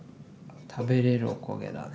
食べれるお焦げだね。